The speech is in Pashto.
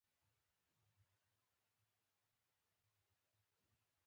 هلک بېرته ووت، دریاب صاحب کوربه ته مخ واړاوه.